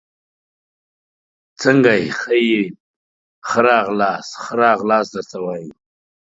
څنګه يي ، ښه يم، ښه راغلاست ، ښه راغلاست درته وایو